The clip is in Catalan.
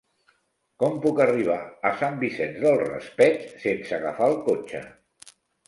Com puc arribar a Sant Vicent del Raspeig sense agafar el cotxe?